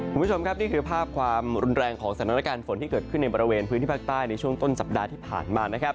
คุณผู้ชมครับนี่คือภาพความรุนแรงของสถานการณ์ฝนที่เกิดขึ้นในบริเวณพื้นที่ภาคใต้ในช่วงต้นสัปดาห์ที่ผ่านมานะครับ